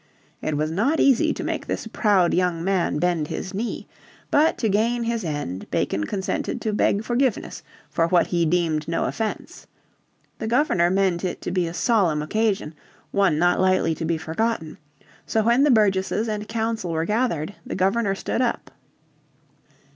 It was not easy to make this proud young man bend his knee. But to gain his end Bacon consented to beg forgiveness for what he deemed no offence. The Governor meant it to be a solemn occasion, one not lightly to be forgotten. So when the burgesses and council were gathered the Governor stood up.